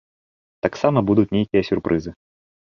Таксама будуць нейкія сюрпрызы.